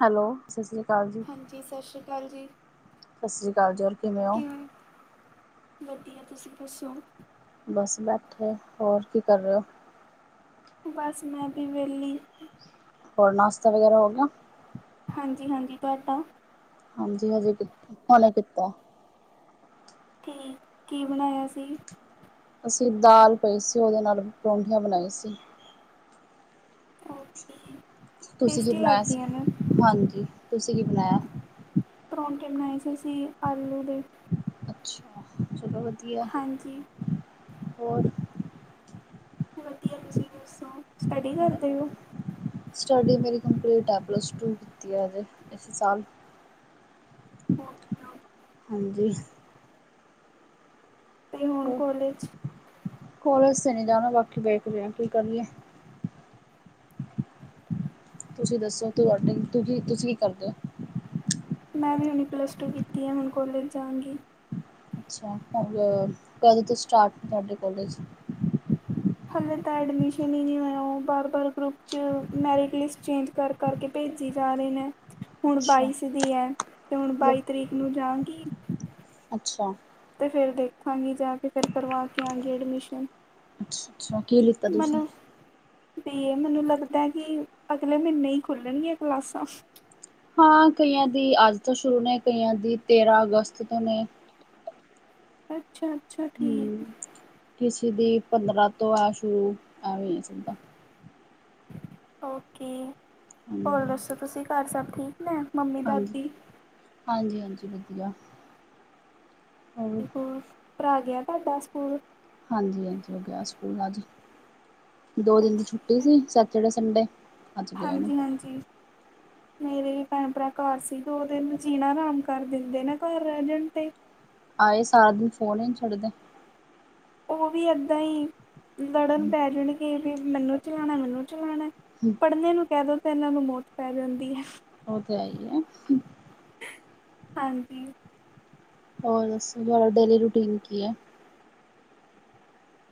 Hello, ਸਸ ਸ੍ਰੀ ਅਕਾਲ ਜੀ। ਜੀ, ਸਸ ਸ਼੍ਰੀ ਕਾਲ ਜੀ। ਸਸ ਸ੍ਰੀ ਅਕਾਲ ਜੀ। ਹੋਰ ਕਿਵੇਂ ਓਂ? ਬੈਠੀ ਆਂ। ਤੁਸੀਂ ਦੱਸੋ? ਬਸ ਬੈਠੇ। ਹੋਰ ਕੀ ਕਰ ਰੇ ਓ? ਬਸ ਮੈਂ ਬੀ ਵੇਲੀ। ਹੋਰ ਨਾਸਤਾ ਵਗੈਰਾ ਹੋ ਗਿਆ? ਹਾਂਜੀ-ਹਾਂਜੀ ਤੁਆਡਾ ਹਾਂਜੀ ਹਜੇ ਪੀਤ, ਹੋਨੇ ਪੀਤੈ। ਕੀ, ਕੀ ਬਨਾਇਆ ਸੀ? ਅਸੀਂ ਦਾਲ ਪਈ ਸੀ, ਓਦੇ ਨਾਲ ਪਰੋਠੀਆਂ ਬਨਾਈ ਸੀ। ਓਕੇ ਤੁਸੀਂ ਕੀ ਟੇਸਟੀ ਬਨਾਇਆ ਸੀ? ਲੱਗਦੀਆਂ ਨੇ ਹਾਂਜੀ, ਤੁਸੀਂ ਕੀ ਬਨਾਇਐ? ਪਰੌਂਠੇ ਬਨਾਏ ਸੀ ਅਸੀਂ ਆਲੂ ਦੇ। ਅੱਛਾ ਚਲੋ ਵਧੀਐ। ਹਾਂਜੀ ਹੋਰ? ਵਧੀਆ। ਤੁਸੀ ਦੱਸੋ, ਸਟਡੀ ਕਰਦੇ ਓ? ਸਟੱਡੀ ਮੇਰੀ ਕੰਪਲੀਟ ਐ। ਪਲੱਸ ਟੂ ਕੀਤੀ ਐ ਹਜੇ ਈਸੀ ਸਾਲ। ਓਕੇ-ਓਕੇ। ਹਾਂਜੀ। ਤੇ ਹੂਨ ਕੋਲੇਜ। ਕੌਲੇਸ ਤੇ ਨੀਂ ਜਾਣਾ ਬਾਕੀ ਵੇਖਦੇਆਂ ਕੀ ਕਰੀਏ। ਤੁਸੀ ਦੱਸੋ ਤੁਆਡੀ ਤੁਦੀ ਤੁਸੀ ਕੀ ਕਰਦੇ ਓ? ਮੈਂਵੀ ਹੂਨ ਪਲੱਸ ਟੂ ਕੀਤੀ ਐ ਹੁਨ ਕੋਲੇਜ ਜਾਂਗੀ। ਅੱਛਾ ਅਰ, ਕਦੋ ਤੋ ਸਟਾਟ ਨ ਧਾਡੇ ਕੌਲੇਜ? ਹਾਲੇ ਤਾਂ ਐਡਮਿਸ਼ਨ ਈ ਨੀਂ ਓਇਆ। ਓ ਬਾਰ-ਬਾਰ ਗਰੁੱਪ 'ਚ, ਮੈਰਿਟ ਲਿਸ ਚੇਂਜ ਕਰ-ਕਰ ਕੇ ਭੇਜੀ ਜਾ ਰੀ ਨੇਂ। ਹੁਣ ਅੱਛਾ ਬਾਈਸ ਦੀ ਐ ਤੇ ਹੁਣ ਮਤਲਬ ਬਾਈ ਤਰੀਕ ਨੂੰ ਜਾਂਅਗੀ। ਅੱਛਾ। ਤੇ ਫੇਰ ਦੇਖਾਂਗੀ ਜਾ ਕੇ ਫੇਰ ਕਰਵਾ ਕੇ ਆਂਗੀ ਐਡਮਿਸ਼ਨ। ਅੱਛਾ ਅੱਛਾ। ਕੀ ਲਿੱਤਾ ਤੁਸੀ? ਮੈਨੂੰ ਬੀ ਏ। ਮੇਨੂੰ ਲੱਗਦੈ ਕਿ ਅਗਲੇ ਮੀਂਨ੍ਹੇ ਈਂ ਖੁੱਲਨਗੀਆਂ ਕਲਾਸਾਂ। ਹਾਂ, ਕਈਆਂ ਦੀ ਅੱਜ ਤੋਂ ਸ਼ੁਰੂ ਨੇ, ਕਈਆਂ ਦੀ ਤੇਰਾ ਅਗਸਤ ਤੋਂ ਨੇ। ਅੱਛਾ- ਅੱਛਾ ਠੀਕ ਹਮ ਅ। ਕਿਸੇ ਦੀ ਪੰਦਰਾਂ ਤੋਂ ਐ ਸ਼ੁਊ, ਐਵੇਈ ਅ ਜੰਦੈ। ਓਕੇ, ਹੋਰ ਹਾਂਜੀ ਦੱਸੋ ਤੁਸੀ ਘਰ ਸਭ ਠੀਕ ਨੇ? ਮੰਮੀ ਹਾਂਜੀ, ਦਾਦੀ ਹਾਂਜੀ- ਹਾਂਜੀ ਵਧੀਆ। ਹੋਰ ਔਰ, ਭਰਾ ਗਿਆ ਤਾਢਾ ਸਕੂਲ? ਹਾਂਜੀ- ਹਾਂਜੀ ਓ ਗਿਆ ਸਕੂਲ ਅੱਜ, ਦੋ ਦਿਨ ਦੀ ਛੁੱਟੀ ਸੀ। Saturday- Sunday. ਅੱਜ ਗਏ ਨੇ ਹਾਂਜੀ -ਹਾਂਜੀ। ਮੇਰੇ ਭੈਣ- ਭਰਾ ਘਰ ਸੀ, ਦੋ ਦਿਨ ਜੀਨਾ ਹਰਾਮ ਕਰ ਦਿੰਦੇ ਨੇ, ਘਰ ਰੈਅਜਣ ਤੇ। ਆਏ ਸਾਰਾ ਦਿਨ, ਫੋਨ ਈ ਨੀਂ ਛਡਦੇ। ਓਵੀ ਐਦਾਂਈਂ ਲੜਨ ਪੈ ਜਾਣਗੇ ਵੀ, ਮੈਨੂੰ ਚਲਾਣੈ, ਮੈਨੂੰ ਚਲਾਣੈ। ਹੂੰਅ। [unintelligible] ਪੜ੍ਹਨੇ ਨੂੰ ਕੈਦੋ ਤਾ, ਐਨਾਂ ਨੂੰ ਮੋਤ ਪੈ ਜਾਂਦੀ ਐ। ਓ ਤੇ ਐਈ ਐ। ਅਹ ਹਾਂਜੀ। [unintelligible] ਹੋਰ, ਦੱਸੋ ਤੁਹਾਡਾ‌ ਡੇਲੀ - ਰੂਟੀਨ ਕੀ ਐ?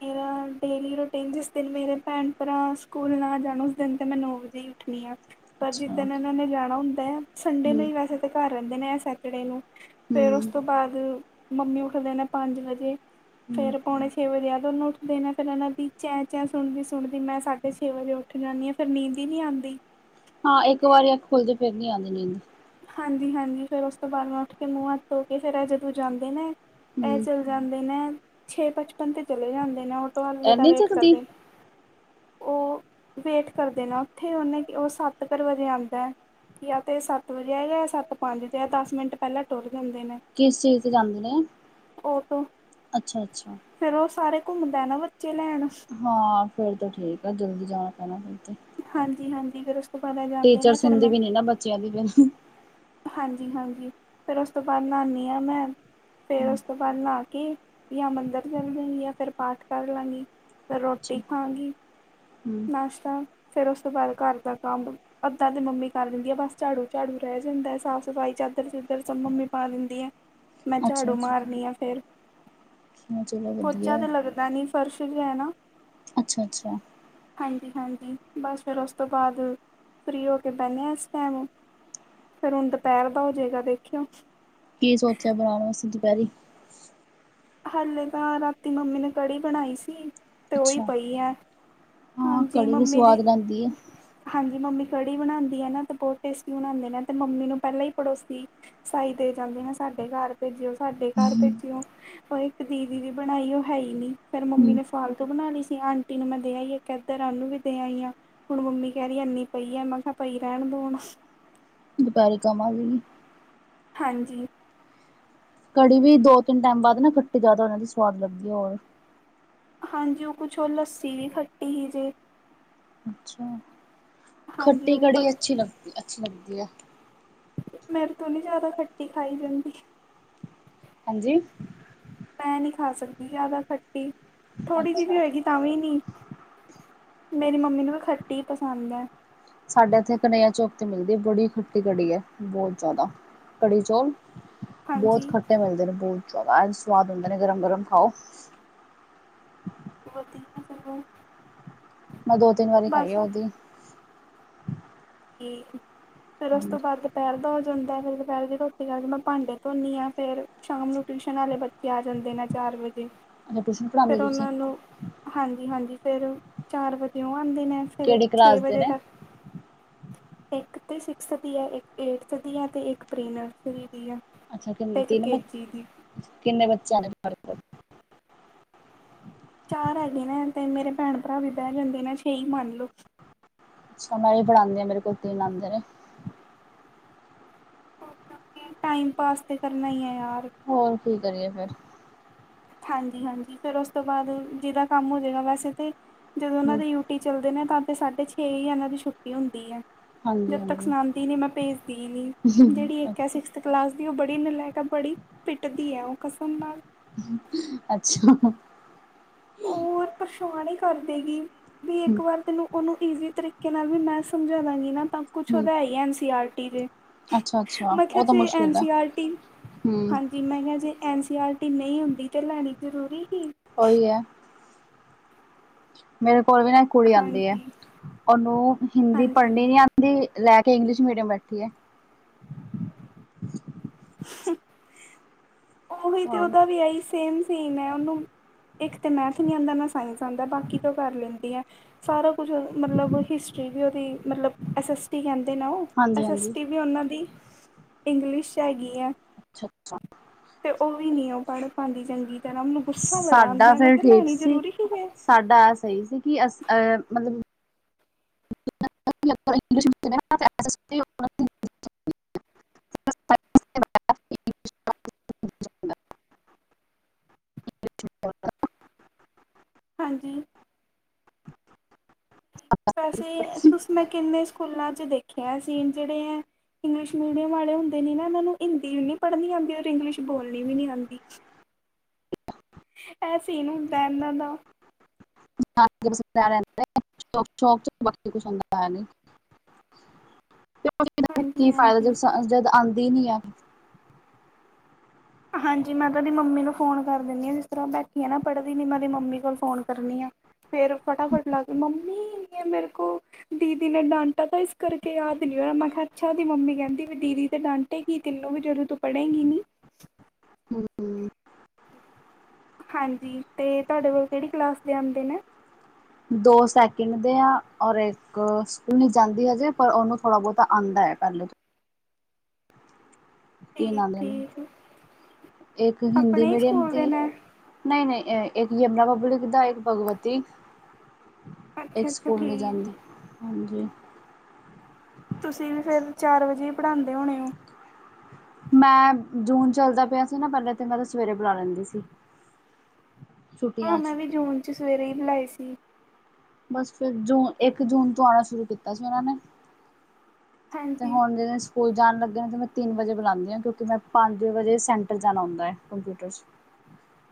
ਮੇਰਾ ਡੇਲੀ- ਰੂਟੀਨ, ਜਿਸ ਦਿਨ ਮੇਰੇ ਭੈਣ- ਭਰਾ ਸਕੂਲ ਨਾ ਜਾਣ, ਉਸ ਦਿਨ ਤੇ ਮੈਂ ਨੋ ਵਜੇ ਈ ਉੱਠਣੀ ਆ। ਪਰ ਅੱਛਾ ਜਿੱਦਣ ਐਨਾਂ ਨੇ ਜਾਣਾ, ਉਂਦੈ ਸੰਡੇ ਹੂੰ ਨੂਈ ਵੈਸੇ ਤੇ ਘਰ ਰੈਂਦੇ ਨੇ, ਐ ਸੈਟਡੇ ਨੂੰ। ਫੇਰ ਉਸ ਹੂੰ ਤੋਂ ਬਾਅਦ, ਮੰਮੀ ਉੱਠਦੇ ਨੇ ਪੰਜ ਵਜੇ, ਹੂੰ ਫੇਰ ਪੌਣੇ ਛੇ ਵਜੇ ਦੋਨੋਂ ਉੱਠਦੇ ਨੇ ਫਿਰ ਐਂਨਾਂ ਦੀ ਚੈਂ- ਚੈਂ, ਸੁਣਦੀ- ਸੁਣਦੀ, ਮੈਂ ਸਾਢੇ ਛੇ ਵਜੇ ਉੱਠ ਜਾਂਨੀ ਐਂ। ਫਿਰ ਨੀਂਦ ਈ ਨੀਂ ਆਂਦੀ। ਹਾਂ ਇੱਕ ਵਾਰੀ ਅੱਖ ਖੁਲ ਜੇ, ਫਿਰ ਨੀ ਆਂਦੀ ਨੀਂਦ। ਹਾਂਜੀ- ਹਾਂਜੀ ਫਿਰ ਉਸ ਤੋ ਬਾਦ ਮੈਂ ਉੱਠ ਕੇ ਮੂੰਅ ਹੱਥ ਧੋ ਕੇ ਫਿਰ, ਐ ਜਦੋ ਜਾਂਦੇ ਨਾ, ਐ ਹੂੰ ਚਲ ਜਾਂਦੇ ਨੇ, ਛੇ ਪਚਪਨ ਤੇ ਚਲੇ ਜਾਂਦੇ ਨੇ, ਆਟੋ ਆਲੇ ਦਾ ਇਨੀ ਵੇਟ ਜਲਦੀ ਕਰਦੇ। ਉਅ ਵੇਟ ਕਰਦੇ ਨਾ, ਉੱਥੇ ਉਅਨੇ ਕ ਉਅ ਸੱਤ ਕਰ ਵਜੇ ਆਂਦੈ, ਯਾ ਤੇ ਸੱ ਤ ਵਜੇ ਆਏਗਾ, ਯਾ ਸੱਤ ਪੰਜ ਤੇ ਆਏ, ਦਸ ਮਿੰਟ ਪਹਿਲਾ ਟੁੁਰ ਜਾਂਦੇ ਨੇ। ਕਿਸ ਚੀਜ਼ ਤ ਜਾਂਦੇ ਨੇ? ਅੱਛਾ -ਅੱਛਾ। ਫਿਰ ਉਅ ਸਾਰੇ, ਘੁੰਮਦੈ ਨਾ ਬੱਚੇ ਲੈਣ। ਹਾਂਅ ਫੇਰ ਤ ਠੀਕ ਐ, ਜਲਦੀ ਜਾਣਾ ਪੈਣੈ ਫਿਰ ਤੇ। ਹਾਂਜੀ- ਹਾਂਜੀ ਫਿਰ ਉਸ ਤੋਂ ਬਾਅਦ ਜਾਂਦੇ ਟੀਚਰ ਨਾ ਫਿਰ ਸੁਣਦੀ ਮੈਂ ਵੀ ਨੀਂ ਨਾ, ਬੱਚਿਆਂ ਦੀ ਫਿਰ। [unintelligible] ਹਾਂਜੀ -ਹਾਂਜੀ ਫਿਰ ਉਸ ਤੋਂ ਬਾਅਦ, ਨਾਂਅਨੀਂਆਂ ਮੈਂ ਫੇਰ ਹੂੰ ਉਸ ਤੋ ਬਾਅਦ ਨਾਂਅ ਕੇ, ਜਾ ਮੰਦਰ ਚਲਜਾਂਗੀ ਯਾ ਫਿਰ ਪਾਠ ਕਰ ਲਾਂਗੀ। ਫਿਰ ਰੋਟੀ ਅੱਛਾ ਖਾਂਗੀ। ਹੂੰ ਨਾਸ਼ਤਾ, ਫਿਰ ਉਸ ਤੋਂ ਬਾਅਦ ਘਰ ਦਾ ਕੰਮ ਅੱਧਾਂ ਤੇ ਮੰਮੀ ਕਰ ਦਿੰਦੀ ਹੈ। ਬੱਸ ਝਾੜੂ -ਝਾੜੂ ਰਹਿ ਜਾਂਦਾ ਹੈ। ਸਾਫ਼ ਸਫ਼ਾਈ ਚਾਦਰ ਚਿੱਧਰ ਸਬ ਮੰਮੀ ਪਾ ਦਿੰਦੀ ਆ, ਮੈਂ ਅੱਛਾ ਝਾੜੂ ਅੱਛਾ ਮਾਰਨੀ ਆ, ਫੇਰ ਚਲੋ ਪੋਚਾ ਵਧੀਆ ਤੇ ਲੱਗ ਨਵੀਂ [unintelligible] ਫਰਸ਼ ਵੀ ਹੈਨਾ ਅੱਛਾ- ਅੱਛਾ ਹਾਂਜੀ -ਹਾਂਜੀ ਬੱਸ ਫਿਰ ਉਸ ਤੋਂ ਬਾਅਦ ਫਰੀ ਹੋ ਕੇ, ਬਹਿੰਦੇ ਹਾਂ ਇਸ ਟਾਈਮ ਫਿਰ ਹੁਣ ਦੁਪਹਿਰ ਦਾ, ਹੋ ਜੇਗਾ ਦੇਖਿਓ। ਕੀ ਸੋਚਿਆ, ਬਣਾਉਣ ਵਾਸਤੇ ਦੁਪਹਿਰੀ ਹਲੇ ਤਾਂ ਰਾਤੀ ਮੰਮੀ ਨੇ ਕੜੀ ਬਣਾਈ ਸੀ, ਤੇ ਉਹ ਹੀ ਅੱਛਾ ਪਈ ਐ। ਹਾਂ ਹਾਂਜੀ, ਕੜੀ ਵੀ ਮੰਮੀ ਸਵਾਦ ਨੇ ਲੈਂਦੀ ਹੈ [inaudible] ਹਾਂਜੀ, ਮੰਮੀ ਕੜੀ ਬਣਾਉਂਦੀ ਐ ਨਾ, ਤੇ ਬਹੁਤ ਟੇਸਟੀ ਬਣਾਉਂਦੇ ਨੇ, ਮੈਂ ਤੇ ਮੰਮੀ ਨੂੰ ਪਹਿਲਾਂ ਹੀ ਪੜੋਸੀ ਸਾਈ ਦੇ ਜਾਂਦੇ ਨੇ, ਸਾਡੇ ਘਰ ਭੇਜਿਓ- ਸਾਡੇ ਘਰ ਭੇਜਿਓ। ਉਹ ਇੱਕ ਦੀਦੀ ਦੀ ਬਣਾਈ, ਉਹ ਹੈ ਹੀ ਨੀ ਫੇਰ ਮੰਮੀ ਹੂੰ ਨੇ ਫਾਲਤੂ ਬਣਾ ਲਈ ਸੀ, ਆਂਟੀ ਨੂੰ ਮੈਂ ਦੇ ਆਈ ਇਕ ਏਧਰ ਏਨੂੰ ਆਲੂ ਵੀ ਦੇ ਆਈ ਆ ਹੁਣ, ਮੰਮੀ ਕੈਂਦੀ ਏਨੀ ਪਈ ਐ ਮੈਂ ਕਕੇਆ ਪਈ ਰੈਂਣ ਦੋ ਹੁਣ। ਦੁਪੈਰੇ ਖਾਵਾਂਗੇ ਨੀਂ। ਹਾਂਜੀ। ਕੜੀ ਵੀ ਦੋ-ਤੇਂਨ ਟਾਈਮ ਬਾਦ ਨਾ ਖੱਟੀ ਜਾਦਾ ਹੋ ਜਾਂਦੀ, ਸਵਾਦ ਲੱਗਦੀ ਐ ਹੋਰ। ਹਾਂਜੀ, ਓ ਕੁਛ ਓ ਲੱਸੀ ਵੀ ਖੱਟੀ ਹੀ ਤੇ ਅੱਛਾ, ਹਾਂਜੀ ਖੱਟੀ ਉਹ ਵੀ ਪ ਕੜੀ ਅੱਛੀ ਲੱਗਦੀ, ਅੱਛੀ ਲੱਗਦੀ ਐ। ਮੇਥੋ ਤੋਂ ਨੀ ਜਾਦਾ ਖੱਟੀ ਖਾਈ ਜਾਂਦੀ। ਹਾਂਜੀ ਮੈਂ ਨੀਂ ਖਾ ਸਕਦੀ ਜਾਦਾ ਖੱਟੀ, ਥੋੜ੍ਹੀ ਜੀ ਵੀ ਅੱਛਾ ਹੋਏਗੀ ਤਾਂ ਵੀ ਨੀਂ। ਮੇਰੀ ਮੰਮੀ ਨੂੰ ਵੀ ਖੱਟੀ ਪਸੰਦ ਐ। ਸਾਡੇ ਏਥੇ ਕਨ੍ਹਇਆ ਚੌਕ ਤੇ ਮਿਲਦੀ ਐ, ਬੜੀ ਖੱਟੀ ਕੜੀ ਬੋਤ ਜਾਦਾ ਕੜੀ-ਚੋਲ। ਬੋਤ ਹਾਂਜੀ ਖੱਟੇ ਬੰਨਦੇ ਨੇ ਬੋਤ ਜਾਦਾ, ਐਂ ਸਵਾਦ ਹੁੰਦੇ ਨੇ ਗਰਮ-ਗਰਮ ਖਾਓ। ਵਧੀਆ ਫੇਰ ਓ ਮੈਂ ਦੋ-ਤਿੰਨ ਵਾਰੀ ਖਾਈ ਆ ਓਦੀ। ਠੀਕ। ਫੇਰ ਹਾਂਜੀ ਓਤੋਂ ਬਾਦ ਦੁਪੈਰ ਦਾ ਹੋ ਜਾਂਦੈ, ਫੇਰ ਦੁਪੈਰਦੀ ਰੋਟੀ ਕਰਕੇ ਮੈਂ ਭਾਂਡੇ ਧੋਦੀ ਆਂ ਫਿਰ ਸ਼ਾਮ ਨੂੰ ਟਿਊਸ਼ਨ ਆਲੇ ਬੱਚੇ ਆ ਜਾਂਦੇ ਨੇ, ਚਾਰ ਵਜੇ। ਅੱਛਾ ਟਿਊਸ਼ਨ ਪੜ੍ਹਾਉਂਦੇ ਫੇਰ ਤੁਸੀਂ ਓਨਾਂ ਨੂੰ ਹਾਂਜੀ-ਹਾਂਜੀ ਫੇਰ ਚਾਰ ਵਜੇ ਓ ਆਂਦੇ ਨੇ ਫੇਰ ਕਿਹੜੀ ਛੇ ਕਲਾਸ ਦੇ ਵਜੇ ਨੇ ਤੱਕ ਇੱਕ ਤੇ ਸਿਕਸ ਦੀ ਆ, ਏਕ ਏਟਥ ਦੀ ਆ, ਤੇ ਏਕ ਪ੍ਰੀ ਨਰਸਰੀ ਦੀ ਆ। ਅੱਛਾ ਕਿਨ ਤਿੰਨ ਬ, ਕਿੰਨੇਂ ਬੱਚੇਆਂ ਆਂਦੇ ਚਾਰ ਹੈਗੇ ਨੇ, ਤੇ ਮੇਰੇ ਭੈਣ-ਭਰਾ ਵੀ ਬੈਂ ਜਾਂਦੇ ਨੇ ਛੇ ਈ ਮੰਨ ਲਓ। ਅੱਛਾ ਮੈਂ ਵੀ ਪੜਾਦੀ ਆਂ, ਮੇਰੇ ਕੋਲ ਤਿੰਨ ਆਂਦੇ ਨੇ। ਓਕੇ-ਓਕੇ ਟਾਈਮ ਪਾਸ ਤਾਂ ਕਰਨਾ ਈਐ ਯਾਰ। ਹੋਰ, ਕੀ ਕਰੀਏ ਫੇਰ? ਹਾਂਜੀ-ਹਾਂਜੀ, ਫੇਰ ਉਸ ਤੋਂ ਬਾਦ ਜਿਦਾ ਕੰਮ ਹੋਜੇਗਾ ਵੈਸੇ ਤੇ ਜਦੋਂ ਓਨਾਂ ਹੂੰ ਯ ਟੀ ਚੱਲਦੇ ਨੇ ਤਾਂ ਫੇਰ ਸਾਢੇ ਛੇ ਈ ਐਨਾ ਦੀ ਛੁੱਟੀ ਹੁੰਦੀ ਐ। ਹਾਂਜੀ ਜਦ ਤੱਕ ਹਾਂਜੀ ਸੁਣਾਦੀ ਨੀ ਮੈਂ ਭੇਜਦੀ ਨੀ, ਜੇੜੀ ਇੱਕ ਐ ਸਿਕ ਸਥ ਕਲਾਸ ਦੀ ਓ ਬੜੀ ਨਲੈਕ ਐ ਓ ਬੜੀ ਪਿੱਟਦੀ ਐ, ਓ ਕਸਮ ਨਾਲ। [unintelligible] ਅੱਛਾ। ਔਰ ਪਰੇਸ਼ਾਨ ਈ ਕਰ ਦੇਗੀ ਵੀ ਇੱਕ ਵਾਰ ਤੈਨੂੰ ਓਨੂੰ ਈਜ਼ੀ ਤਰੀਕੇ ਨਾਲ ਵੀ ਮੈਂ ਸਮਝਾਵਾਂਗੀ ਨਾ ਤਾਂ ਕੁਛ ਹੂੰ ਓਦਾ ਐ ਐੱਨ ਸੀ ਆਰ ਟੀ ਦੇ ਅੱਛਾ ਅੱਛਾ ਮਖਿਆ ਉਹ ਤਾਂ ਜੇ ਐਨ ਮੁਸ਼ਕਿਲ ਹੈ ਸੀ ਆਰ ਟੀ, ਹੂੰ ਹਾਂਜੀ ਜਿ ਮੈਂ ਕੇਆ ਜੇ ਐਨ ਸੀ ਆਰ ਟੀ ਨੀਂ ਹੁੰਦੀ ਤਾਂ ਲੈਣੀ ਜਰੂਰੀ ਸੀ। ਓਈ ਐ। ਮੇਰੇ ਕੋਲ ਵੀ ਨਾ ਇੱਕ ਕੁੜੀ ਆਂਦੀ ਐ, ਹਾਂਜੀ ਓਨੂੰ ਹਿੰਦੀ ਹਾਂਜੀ ਪੜ੍ਹਨੀ ਨੀ ਆਂਦ ਦੀ, ਲੈ ਕੇ ਇੰਗਲਿਸ਼ ਮੀਡੀਅਮ ਬੈਠੀ ਐ। [inaudible] ਓਹੀ ਤੇ ਓਦਾ ਵੀ ਐਈ ਸੇਮ ਸੀਨ ਐ, ਓਨੂੰ ਇੱਕ ਤਾਂ ਮੈਥ ਨੀਂ ਆਂਦਾ, ਨਾ ਸਾਇੰਸ ਆਂਦਾ ਬਾਕੀ ਤੇ ਕਰ ਲੈਂਦੀ ਐ। ਸਾਰਾ ਕੁਝ ਮਤਲਬ ਹਿਸਟਰੀ ਵੀ ਓਦੀ ਮਤਲਬ ਐਸ ਐਸ ਟੀ ਕੈਂਦੇ ਨਾ ਓ ਹਾਂਜੀ ਐਸ ਐਸ ਹਾਂਜੀ ਟੀ ਵੀ ਓਨਾਂ ਦੀ, ਇੰਗਲਿਸ਼ 'ਚ ਹੈਗੀ ਐ। ਅੱਛਾ-ਅੱਛਾ। ਤੇ ਓਵੀ ਨੀ ਓ ਪੜ੍ਹ ਪਾਂਦੀ ਚੰਗੀ ਤਰ੍ਹਾਂ, ਮੈਨੂੰ ਗੁੱਸਾ ਬੜਾ ਸਾਡਾ ਆਂਦਾ ਮੈਂ ਫਿਰ ਕੇਆ ਠੀਕ ਲੈਣੀ ਜਰੂਰੀ ਸੀ ਫੇਰ। ਸਾਡਾ ਐ ਸਈ ਸੀ ਕਿ ਅਸ ਅ ਮਤਲਬ [unintelligible] ਹਾਂਜੀ। ਵੈਸੇ, ਤੁਸੀਂ ਮੈਂ ਕਿੰਨੇ ਸਕੂਲਾਂ 'ਚ ਦੇਖਿਆ ਐ ਸੀਨ, ਜੇੜੇ ਐ ਇੰਗਲਿਸ਼ ਮੀਡੀਅਮ ਵਾਲੇ ਹੋਂਦੇ ਨੇ ਨਾ, ਏਨਾਂ ਨੂੰ ਹਿੰਦੀ ਵੀ ਨੀ ਪੜ੍ਹਨੀ ਆਂਦੀ ਔਰ ਇੰਗਲਿਸ਼ ਬੋਲਣੀ ਵੀ ਨੀ ਆਂਦੀ। ਐਹ ਸੀਨ ਹੁੰਦਾ ਇਹਨਾਂ ਦਾ। [inaudible] [inaudible] ਹਾਂਜੀ ਕੀ ਫਾਇਦਾ ਜਦ ਹਾਂਜੀ ਸਾਂ ਜਦ ਆਂਦੀ ਨੀ ਆ। ਹਾਂਜੀ, ਮੈਂ ਤਾਂ ਓਦੀ ਮੰਮੀ ਨੂੰ ਫੋਨ ਕਰ ਦੇਣੀ ਆਂ, ਜਿਸ ਤਰ੍ਹਾਂ ਬੈਠੀਐ ਨਾ, ਪੜ੍ਹਦੀ ਨੀ, ਮੈਂ ਓਦੀ ਮੰਮੀ ਕੋਲ ਫ਼ੋਨ ਕਰਨੀ ਆਂ। ਫੇਰ ਫਟਾਫਟ ਲੱਗ ਗੀ, ਮੰਮੀ ਯੇ ਮੇਰੇ ਕੋ ਦੀਦੀ ਨੇ ਡਾਂਟਾ ਥਾ, ਇਸ ਕਰਕੇ ਯਾਦ ਨੀ ਹੋਇਆ। ਮੈਂ ਕਿਆ, ਅੱਛਾ! ਓਦੀ ਮੰਮੀ ਕਹਿੰਦੀ ਵੀ ਦੀਦੀ ਤੇ ਡਾਂਟ ਡਾਟੇਗੀ ਤੈਨੂੰ ਵੀ, ਜਦੋਂ ਤੂੰ ਪੜੇਗੀ ਨੀ। ਹਮ, ਹਮ। ਹਾਂਜੀ, ਤੇ ਤਾਡੇ ਕੋਲ ਕੇੜੀ ਕਲਾਸ ਦੇ ਆਂਦੇ ਨੇ? ਦੋ ਸੈਕਿੰਡ ਦੇ ਆ, ਔਰ ਇੱਕ ਸਕੂਲ ਨੀ ਜਾਂਦੀ ਹਜੇ, ਪਰ ਓਨੂੰ ਥੋੜ੍ਹਾ-ਬੋਤਾ ਆਂਦੈ, ਪਹਿਲੇ ਤੋਂ। ਤੀਨ ਠੀਕ ਆਂਦੇ ਨੇ, ਠੀਕ ਏਕ ਹਿੰਦੀ ਆਪਣੇ ਹੀ ਮੀਡੀਅਮ ਸਕੂਲ ਦੇ ਦੀ ਨੇ ਨਈਂ-ਨਈਂ ਅੰ ਇੱਕ ਯਮਨਾ ਪਬਲਿਕ ਦਾ, ਇੱਕ ਭਗਵਤੀ ਏਕ ਅੱਛਾ ਅੱਛਾ ਸਕੂਲ ਨੀ ਠੀਕ ਜਾਂਦੇ, ਹਾਂਜੀ। ਤੁਸੀਂ ਵੀ ਫੇਰ ਚਾਰ ਵਜੇ ਈ ਪੜ੍ਹਾਂਦੇ ਹੋਣੇ ਓ? ਮੈਂ, ਜੂਨ ਚੱਲਦਾ ਪਿਆ ਸੀ ਨਾ ਪਹਿਲਾਂ, ਤੇ ਮੈਂ ਤੇ ਸਵੇਰੇ ਬੁਲਾ ਲੈਂਦੀ ਸੀ। ਹਾਂ, ਛੁੱਟੀਆਂ ਮੈਂ ਚ ਵੀ ਜੂਨ 'ਚ ਸਵੇਰੇ ਈ ਬੁਲਾਏ ਸੀ। ਬਸ ਫੇਰ, ਜੂਨ, ਏਕ ਜੂਨ ਤੋਂ ਆਣਾ ਸ਼ੁਰੂ ਕੀਤਾ ਸੀ ਓਨਾਂ ਨੇ। ਤੇ ਹਾਂਜੀ ਹੁਣ ਦਿਨ ਅ 'ਚ ਸਕੂਲ ਜਾਣ ਲੱਗੇ ਨੇ ਤੇ ਮੈਂ ਤਿੰਨ ਵਜੇ ਬੁਲਾਣੀ ਆਂ, ਕਿਉਂਕਿ ਮੈਂ ਪੰਜ ਵਜੇ ਸੈਂਟਰ ਜਾਣਾ ਹੁੰਦਾ ਐ ਕੰਪਿਊਟਰ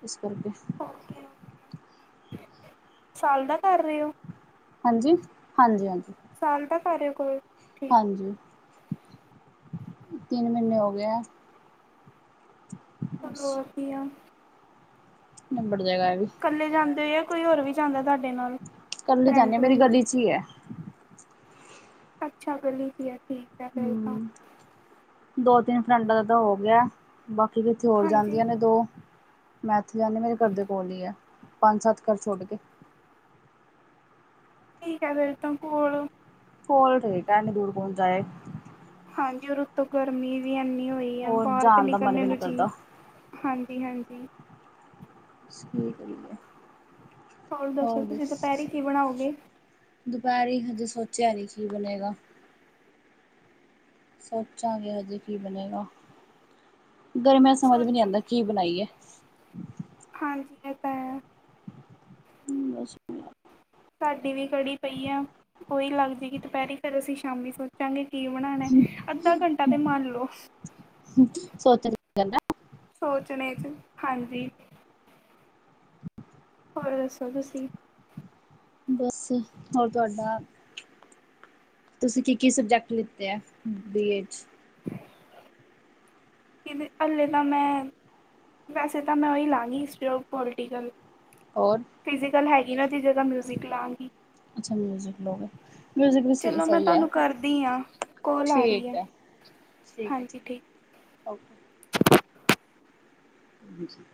ਇਸ ਕਰਕੇ। ਸਾਲ ਦਾ ਕਰ ਰੇ ਓ? ਹਾਂਜੀ? ਹਾਂਜੀ-ਹਾਂਜੀ। ਸਾਲ ਦਾ ਕਰ ਰਏ ਓ ਕੋਰ ਹਾਂਜੀ, ਤਿੰਨ ਮਹੀਨੇ ਹੋ ਗਏ ਆ। ਚਲੋ ਵਧੀਆ। ਨਿੱਬੜ ਜੇਗਾ ਐਵੀ। ਕੱਲੇ ਜਾਂਦੇ ਓ, ਜਾਂ ਕੋਈ ਹੋਰ ਵੀ ਜਾਂਦਾ ਤਾਡੇ ਨਾਲ, ਫਰੇਂਡ-ਫਰੂੰਡ? ਸਈ ਐ। ਅੱਛਾ, ਗਲੀ ਦੀ ਐ, ਠੀਕ। ਹੈ ਫਿਰ ਤਾਂ ਹਮ, ਦੋ ਤਿੰਨ ਫਰੈਂਡਾਂ ਦਾ ਤਾਂ ਹੋ ਗਿਆ। ਬਾਕੀ ਕਿਥੇ ਹੋਰ ਹਾਂਜੀ ਜਾਂਦੀਆਂ ਨੇ ਦੋ। ਮੈਂ ਏਥੇ ਜਾਂਦੀ ਮੇਰੇ ਘਰ ਦੇ ਕੋਲ ਈ ਐ, ਪੰਜ-ਸੱਤ ਘਰ ਛੋਡ ਕੇ। ਠੀਕ ਆ ਫੇਰ ਤਾਂ, ਕੋਲ ਕੋਲ ਠੀਕ ਆ, ਏਨੀਂ ਦੂਰ ਕੋਣ ਜਾਏ। ਹਾਂਜੀ, ਔਰ ਉਤੋਂ ਗਰਮੀ ਵੀ ਐਨੀ ਹੋਈ ਆ, ਹੋਰ ਬਾਰ ਤੇ ਜਾਣ ਦਾ ਮਨ ਨਿਕਲਣੇ ਵੀ ਨਹੀਂ ਨੂੰ ਜੀ ਕਰਦਾ ਹਾਂਜੀ-ਹਾਂਜੀ। ਸਈ ਗੱਲ ਐ। ਹੋਰ ਦੱਸੋ, ਤੁਸੀਂ ਦੁਪੇਰੀ ਕੀ ਬਣਾਓਗੇ? ਦੂਪੇਰੀ ਹਜੇ ਸੋਚਿਆ ਨੀ ਕੀ ਬਣੇਗਾ। ਸੋਚਾਂਗੇ ਹਜੇ ਕੀ ਬਣੇਗਾ। ਗਰਮੀਆਂ 'ਚ' ਸਮਝ ਵੀ ਨੀ ਸੋਚੋ ਆਂਦਾ, ਕੀ ਬਣਾਈਏ? ਹਾਂਜੀ ਇਹ ਤਾਂ ਹੈ। ਤੂੰ ਦੱਸ ਕਿੰਨਾ ਸਾਡੀ ਵੀ ਕੜੀ ਪਈ ਆ, ਉਹੀ ਲੱਗ ਜਾਏਗੀ ਦੁਪਹਿਰੀ, ਫੇਰ ਅਸੀਂ ਸ਼ਾਮੀ ਸੋਚ ਸੋਚਾਂ ਗਏ, ਕੀ ਬਣਾਣਾ, ਅੱਧਾ ਘੰਟਾ ਤੇ ਮੰਨ ਲਓ। ਸੋਚ ਜਾਂਦਾ ਸੋਚਣੇ 'ਚ, ਹਾਂਜੀ। ਹੋਰ ਦੱਸੋ ਤੁਸੀਂ ਬਸ, ਹੋਰ ਤੁਆਡਾ ਤੁਸੀਂ ਕੀ- ਕੀ ਸਬਜੈਕਟ ਲਿੱਤੇ ਆ, ਬੀਏ 'ਚ ਕਿਨੇ ਹਾਲੇ ਨਾ ਮੈਂ ਵੈਸੇ ਤਾਂ ਮੈਂ ਉਹੀ ਲਾਂਗੀ, ਹਿਸਟਰੀ ਔਰ ਪੋਲੀਟੀਕਲ ਹੋਰ। ਫਿਜੀਕਲ ਹੈਗੀ ਨਾ ਉਹਦੀ ਜਗ੍ਹਾ ਮਿਊਜ਼ਿਕ ਲਾਂਗੀ। ਅੱਛਾ ਮਿਊਜ਼ਿਕ ਲਓ ਗਏ। ਮਿਊਜ਼ਿਕ ਵੀ ਚਲੋ ਮੈਂ ਸਹੀ ਐ, ਤੁਹਾਨੂੰ ਕਰਦੀ ਹਾਂ ਕੋਲ ਆ ਰਹੀ ਠੀਕ ਹੈ। ਠੀਕ ਐ ਠੀਕ। ਓਕੇ। ਹਾਂਜੀ।